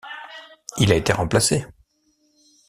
Il a été remplacé.